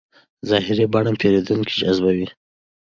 ظاهري بڼه پیرودونکی جذبوي.